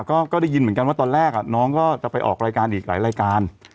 ก็ได้ยินเหมือนกันว่าตอนแรกน้องก็จะไปออกรายการอีกหลายรายการ